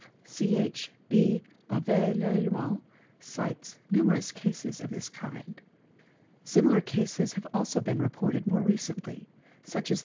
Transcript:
F. Ch. B. Avé Lallemant cites numerous cases of this kind", 3 Similar cases have also been reported more recently, such as the.